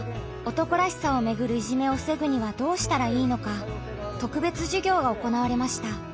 「男らしさ」をめぐるいじめを防ぐにはどうしたらいいのか特別授業が行われました。